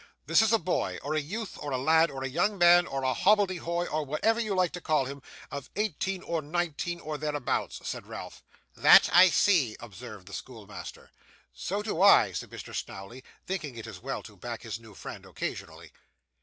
'This is a boy, or a youth, or a lad, or a young man, or a hobbledehoy, or whatever you like to call him, of eighteen or nineteen, or thereabouts,' said Ralph. 'That I see,' observed the schoolmaster. 'So do I,' said Mr. Snawley, thinking it as well to back his new friend occasionally.